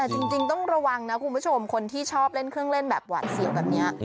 จริงต้องระวังนะคุณผู้ชมคนที่ชอบเล่นเครื่องเล่นแบบหวาดเสียวแบบนี้